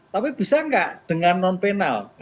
tapi bisa enggak dengan penyelenggaraan